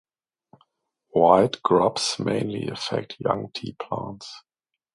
White grubs mainly affect young tea plants.